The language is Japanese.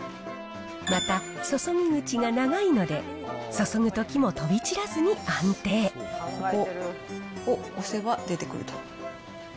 また注ぎ口が長いので、おっ、押せば出てくると。